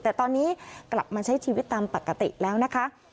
แต่ตอนนี้กลับมาใช้ชีวิตตามปกติแล้วนะคะ